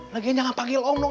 lagian jangan panggil om dong